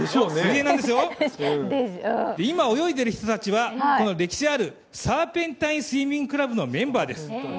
今、泳いでいる人たちは、歴史あるサーペンタイン・スイミングクラブのメンバーです。